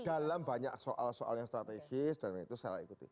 dalam banyak soal soal yang strategis dan itu saya ikuti